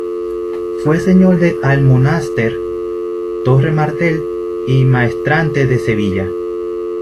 Fue señor de Almonaster, Torre Martel y maestrante de Sevilla.